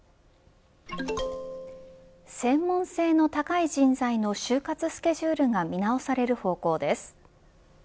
専門性の高い人材の就活スケジュールが見直される方向です。